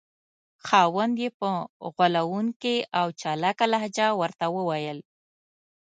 خاوند یې په غولونکې او چالاکه لهجه ورته وویل.